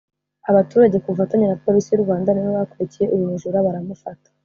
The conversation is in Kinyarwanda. Abaturage ku bufatanye na Polisi y’u Rwanda nibo bakurikiye uyu mujura baramufata